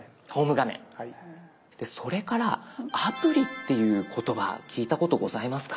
それから「アプリ」っていう言葉聞いたことございますか？